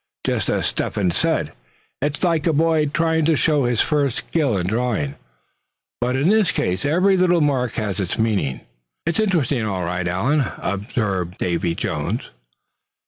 Just as Step hen said, it's like a boy trying to show his first skill in drawing; but in this case every little mark has its meaning." "It's interesting, all right, Allan," observed Davy Jones.